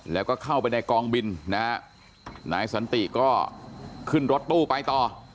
แล้วก็เข้าไปในกองบินนะฮะนายสันติก็ขึ้นรถตู้ไปต่อ